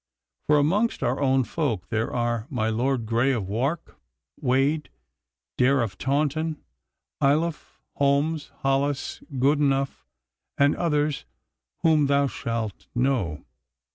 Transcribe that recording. For amongst our own folk there are my Lord Grey of Wark, Wade, Dare of Taunton, Ayloffe, Holmes, Hollis, Goodenough, and others whom thou shalt know.